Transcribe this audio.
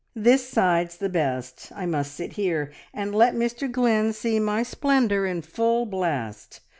"This side's the best. I must sit here, and let Mr Glynn see my splendour in full blast.